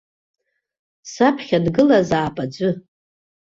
Саԥхьа дгылазаап аӡәы.